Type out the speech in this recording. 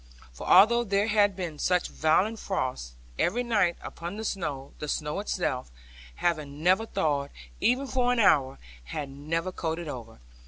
For although there had been such violent frost, every night, upon the snow, the snow itself, having never thawed, even for an hour, had never coated over.